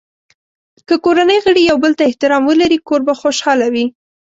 که کورنۍ غړي یو بل ته احترام ولري، کور به خوشحال وي.